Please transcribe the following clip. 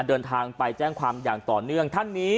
เดินทางไปแจ้งความอย่างต่อเนื่องท่านนี้